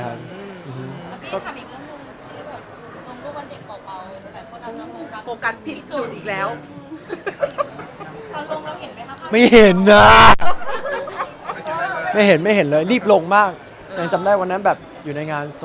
ฮอวิ่งเธอผ่านอีกเรื่องนึงที่ลงทัวร์วันเด็กเบาท์